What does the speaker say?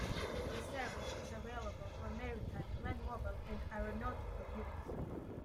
The service is available for maritime, land mobile and aeronautical use.